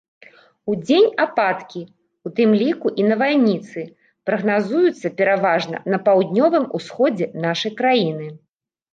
Удзень ападкі, у тым ліку і навальніцы, прагназуюцца пераважна на паўднёвым усходзе нашай краіны.